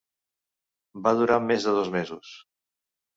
Va durar més de dos mesos